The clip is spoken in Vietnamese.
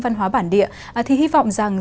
văn hóa bản địa thì hy vọng rằng